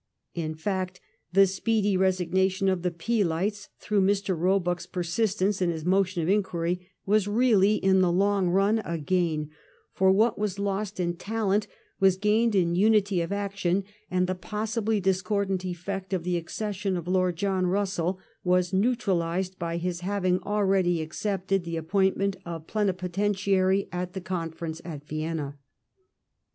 In fact, the speedy resignation of the Peelites, through Mr. Boebuck's persistance in his motion of inquiry, was really, in the long run, a gain — ^for what was lost in talent was gained in unity of action, and the possibly discordant effect of the accession of Lord John Bus sell, was neutralised by his having already accepted the appointment of Plenipotentiary at the Conference at Vienna.